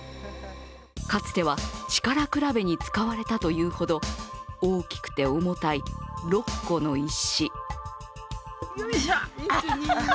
かつては力比べに使われたというほど大きくて重たい６個の石。